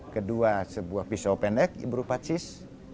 kedua sebuah pisau pendek berupa cis